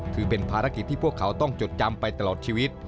คือเป็นภารกิจที่พวกเขาต้องจดจำไปตลอดชีวิต